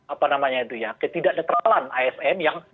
apa namanya itu ya ketidak netralan asn yang